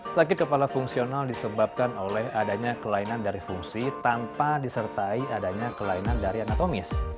sakit kepala fungsional disebabkan oleh adanya kelainan dari fungsi tanpa disertai adanya kelainan dari anatomis